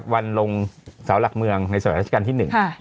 วันลงเสาหลักเมืองในสวรรคกรรมที่๑